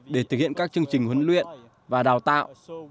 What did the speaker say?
để thực hiện các chương trình huấn luyện và đào tạo